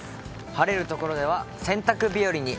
晴れるところでは洗濯日和に。